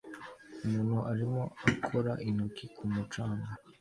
Umuntu arimo akora intoki ku mucanga